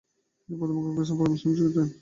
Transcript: তিনি প্রথমে কংগ্রেস ও পরে মুসলিম লীগে যোগ দেন।